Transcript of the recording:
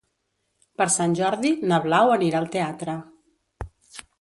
Per Sant Jordi na Blau anirà al teatre.